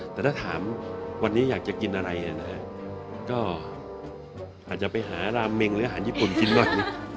แต่ถ้าถามวันนี้อยากจะกินอะไรนะฮะก็อาจจะไปหาราเมงหรืออาหารญี่ปุ่นกินหน่อย